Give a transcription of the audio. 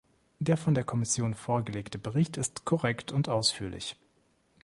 Der von der Kommission vorgelegte Bericht ist korrekt und ausführlich.